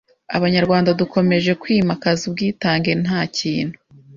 Abanyarwanda dukomeje kwimakaza ubwitange nta kintu